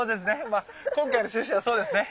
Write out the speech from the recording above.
まあ今回の趣旨はそうですね。